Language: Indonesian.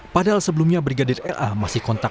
padahal sebelumnya brigadir la masih kontak